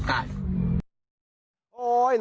เวลามีชอบหรอ